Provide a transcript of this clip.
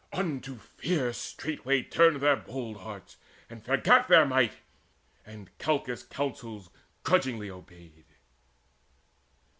Unto fear straightway Turned were their bold hearts: they forgat their might, And Calchas' counsels grudgingly obeyed.